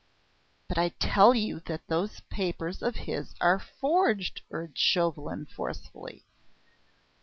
"But I tell you that, those papers of his are forged," urged Chauvelin forcefully.